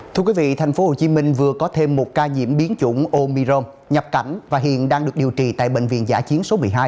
thưa quý vị tp hcm vừa có thêm một ca nhiễm biến chủng omirom nhập cảnh và hiện đang được điều trị tại bệnh viện giả chiến số một mươi hai